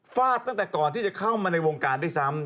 ฟาดตั้งแต่ก่อนที่จะเข้ามาในวงการด้วยซ้ำ